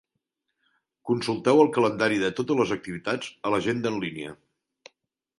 Consulteu el calendari de totes les activitats a l'agenda en línia.